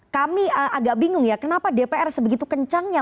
kami agak bingung ya kenapa dpr sebegitu kencangnya